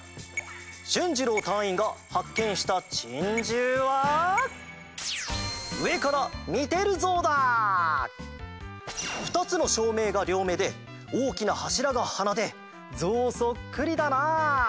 しゅんじろう隊員がはっけんしたチンジューはふたつのしょうめいがりょうめでおおきなはしらがはなでゾウそっくりだな！